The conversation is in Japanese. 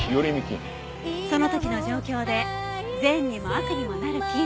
その時の状況で善にも悪にもなる菌。